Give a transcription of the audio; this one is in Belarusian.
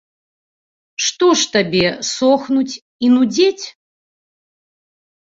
Што ж табе сохнуць і нудзець?